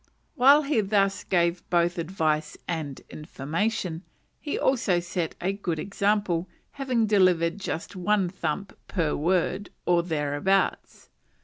While he thus gave both advice and information, he also set a good example, having delivered just one thump per word, or thereabouts.